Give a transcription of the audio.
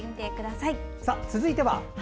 さあ、続いては？